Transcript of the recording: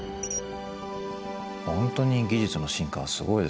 本当に技術の進化はすごいですね。